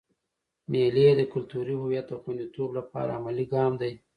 مېلې د کلتوري هویت د خونديتوب له پاره عملي ګام دئ.